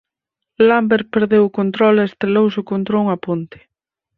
Lambert perdeu o control e estrelouse contra unha ponte.